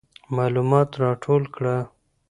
معلومات راټول کړه.